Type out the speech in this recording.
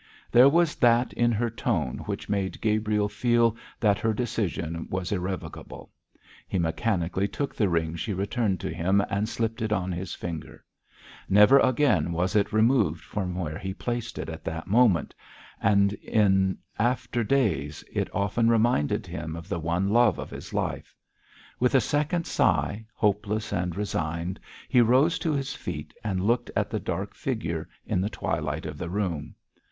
There was that in her tone which made Gabriel feel that her decision was irrevocable. He mechanically took the ring she returned to him and slipped it on his finger. Never again was it removed from where he placed it at that moment; and in after days it often reminded him of the one love of his life. With a second sigh, hopeless and resigned, he rose to his feet, and looked at the dark figure in the twilight of the room.